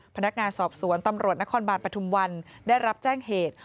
พนักงานสอบสวนตำรวจนครบาลปฐุมวันได้รับแจ้งเหตุ